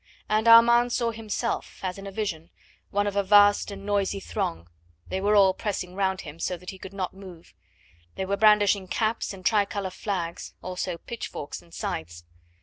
And Armand saw himself, as in a vision, one of a vast and noisy throng they were all pressing round him so that he could not move; they were brandishing caps and tricolour flags, also pitchforks and scythes.